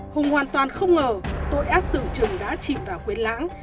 hùng hoàn toàn không ngờ tội ác tự trừng đã chìm vào quyến lãng